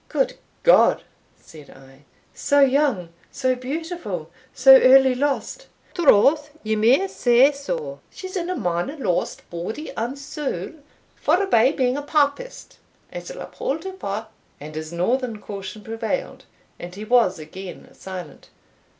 "Good God!" said I "so young, so beautiful, so early lost!" "Troth ye may say sae she's in a manner lost, body and saul; forby being a Papist, I'se uphaud her for" and his northern caution prevailed, and he was again silent.